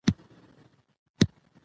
سلیپ فېلډران ډېر نږدې درېږي.